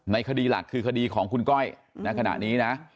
คดีหลักคือคดีของคุณก้อยณขณะนี้นะ